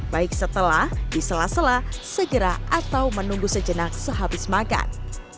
baik setelah disela sela segera atau menunggu sejenak sehabis makan